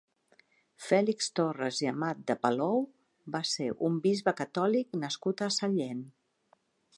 Fèlix Torres i Amat de Palou va ser un bisbe catòlic nascut a Sallent.